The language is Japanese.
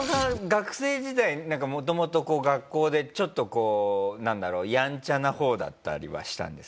学生時代なんかもともとこう学校でちょっとこうなんだろうヤンチャな方だったりはしたんですか？